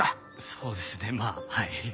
そうですねまあはい。